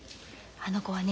あの子はね